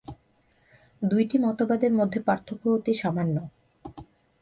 দুইটি মতবাদের মধ্যে পার্থক্য অতি সামান্য।